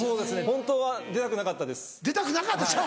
本当は出たくなかったです。